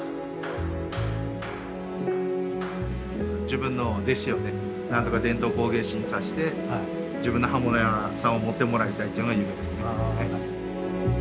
自分の弟子をねなんとか伝統工芸士にさせて自分の刃物屋さんを持ってもらいたいっていうのが夢ですね。